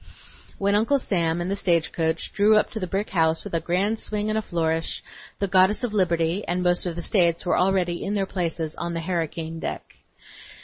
When Uncle Sam and the stagecoach drew up to the brick house with a grand swing and a flourish, the goddess of Liberty and most of the States were already in their places on the "harricane deck."